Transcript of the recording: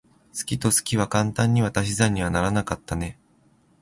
好きと好きは簡単には足し算にはならなかったね。